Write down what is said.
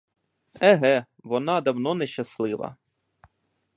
Еге, вона давно нещаслива.